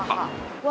うわ！